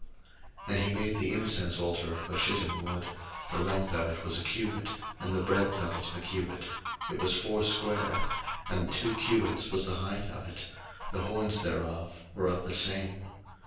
02:037:025 And he made the incense altar of shittim wood: the length of it was a cubit, and the breadth of it a cubit; it was foursquare; and two cubits was the height of it; the horns thereof were of the same.